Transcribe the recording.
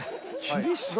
厳しい。